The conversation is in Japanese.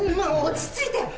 落ち着いて！